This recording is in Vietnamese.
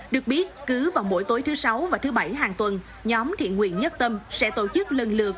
được biết cứ vào buổi tối thứ sáu và thứ bảy hàng tuần nhóm thị nguyên nhất tâm sẽ tổ chức lần lượt